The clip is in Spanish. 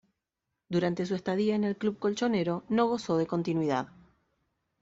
Durante su estadía en el club colchonero no gozó de continuidad.